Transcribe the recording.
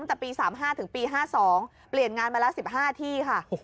ตั้งแต่ปี๓๕ถึงปี๕๒เปลี่ยนงานมาแล้ว๑๕ที่ค่ะ